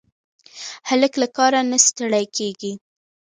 هلک له کاره نه ستړی کېږي.